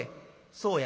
「そうや。